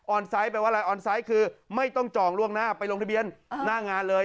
ไซต์แปลว่าอะไรออนไซต์คือไม่ต้องจองล่วงหน้าไปลงทะเบียนหน้างานเลย